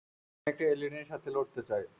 আমি একটা এলিয়েনের সাথে লড়তে চাই।